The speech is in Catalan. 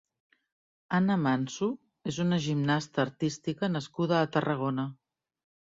Ana Manso és una gimnasta artística nascuda a Tarragona.